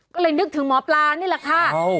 ก็เลยนึกถึงหมอปลานี่แหละค่ะ